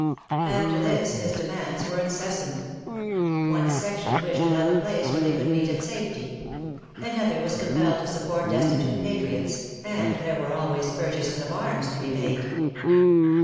After this his demands were incessant. One section wished to have a place where they could meet in safety ; another was compelled to support destitute patriots, and there were always purchases of arras to be made.